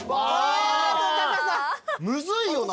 むずいよな。